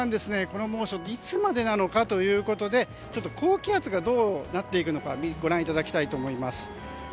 この猛暑いつまでなのかということで高気圧がどうなっていくのかご覧いただきたいと思います。